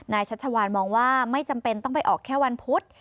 ชัชวานมองว่าไม่จำเป็นต้องไปออกแค่วันพุธ